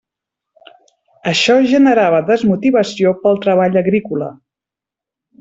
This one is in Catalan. Això generava desmotivació pel treball agrícola.